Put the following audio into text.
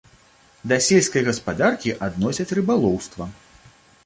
Да сельскай гаспадаркі адносяць рыбалоўства.